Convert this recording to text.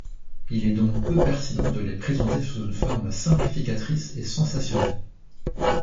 Il est donc peu pertinent de les présenter sous une forme simplificatrice et sensationnelle.